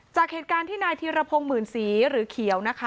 จากเหตุการณ์ที่นายธีรพงศ์หมื่นศรีหรือเขียวนะคะ